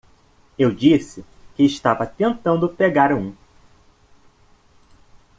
Eu disse que estava tentando pegar um.